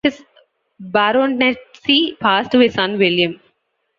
His baronetcy passed to his son William.